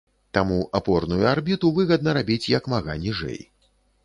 Таму апорную арбіту выгадна рабіць як мага ніжэй.